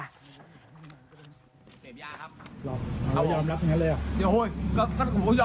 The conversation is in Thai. นี่ค่ะไม่กลัวความผิดไม่กลัวถูกดำเนินคดีด้วยคุณผู้ชมค่ะ